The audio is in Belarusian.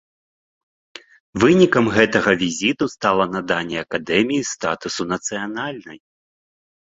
Вынікам гэтага візіту стала наданне акадэміі статусу нацыянальнай.